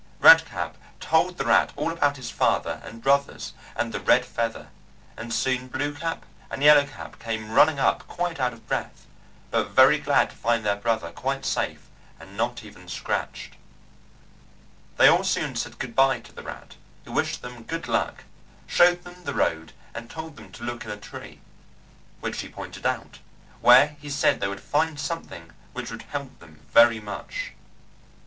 Red Cap told the rat all about his father and brothers and the Red Feather, and soon Blue Cap and Yellow Cap came running up, quite out of breath, but very glad to find their brother quite safe and not even scratched. They all soon said good bye to the rat, who wished them good luck, showed them the road and told them to look in a tree which he pointed out where he said they would find something which would help them very much.